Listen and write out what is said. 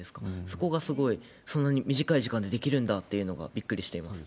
そこがすごい、そんなに短い時間でできるんだっていうのがびっくりしています。